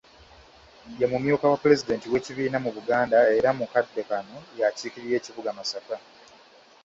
Ye mumyuka wa Pulezidenti w'ekibiina mu Buganda era mu kadde kano y'akiikirira ekibuga Masaka.